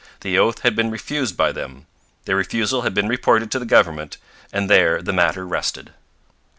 The oath had been refused by them. Their refusal had been reported to the government; and there the matter rested.